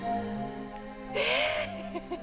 えっ！